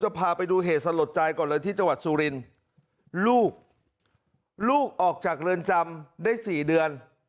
พาไปดูเหตุสลดใจก่อนเลยที่จังหวัดสุรินทร์ลูกลูกออกจากเรือนจำได้๔เดือน